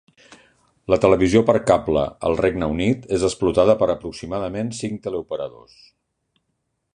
La televisió per cable al Regne Unit és explotada per aproximadament cinc teleoperadors.